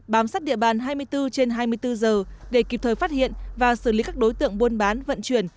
bám sát địa bàn hai mươi bốn trên hai mươi bốn giờ để kịp thời phát hiện và xử lý các đối tượng buôn bán vận chuyển